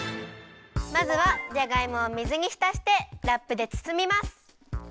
まずはじゃがいもを水にひたしてラップでつつみます！